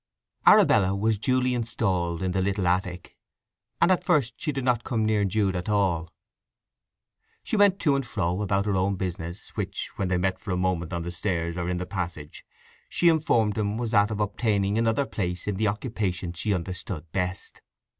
Arabella was duly installed in the little attic, and at first she did not come near Jude at all. She went to and fro about her own business, which, when they met for a moment on the stairs or in the passage, she informed him was that of obtaining another place in the occupation she understood best.